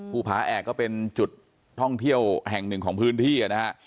ภูผาแอกก็เป็นจุดท่องเที่ยวแห่งหนึ่งของพื้นที่นะฮะ